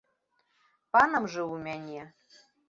Панам жыў у мяне.